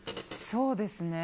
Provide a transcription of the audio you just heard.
そうですね。